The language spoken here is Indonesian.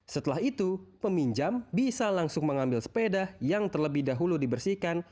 setelah itu peminjam bisa langsung mengambil sepeda yang terlebih dahulu dibersihkan